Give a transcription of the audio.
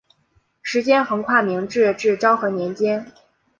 时间横跨明治至昭和年间。